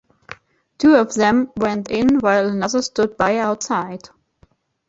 Two of them went in while another stood by outside.